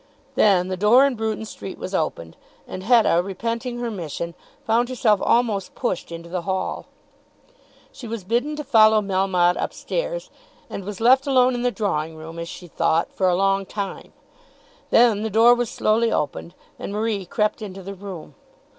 Then the door in Bruton Street was opened, and Hetta, repenting her mission, found herself almost pushed into the hall. She was bidden to follow Melmotte up stairs, and was left alone in the drawing room, as she thought, for a long time. Then the door was slowly opened and Marie crept into the room.